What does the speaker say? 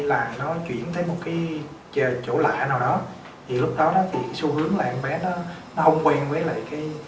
là nó chuyển tới một cái chỗ lạ nào đó thì lúc đó nó thì xu hướng là em bé nó nó không quen với lại cái